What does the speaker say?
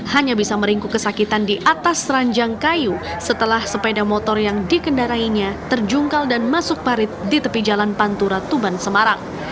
hanya bisa meringkuk kesakitan di atas ranjang kayu setelah sepeda motor yang dikendarainya terjungkal dan masuk parit di tepi jalan pantura tuban semarang